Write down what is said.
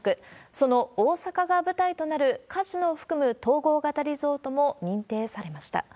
その大阪が舞台となるカジノを含む統合型リゾートも認定されました。